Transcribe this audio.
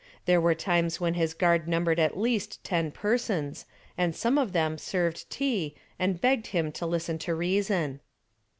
There were times when his guard numbered at least ten persons and some of them served tea and begged him to listen to reason.